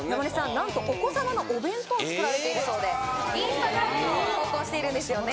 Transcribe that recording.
なんとお子さまのお弁当を作られているそうでインスタグラムにも投稿しているんですよね